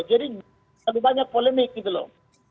lebih banyak polemik gitu loh